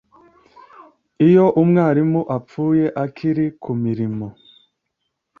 Iyo umwarimu apfuye akiri ku mirimo